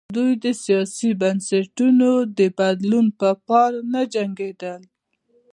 دوی د سیاسي بنسټونو د بدلون په پار نه جنګېدل.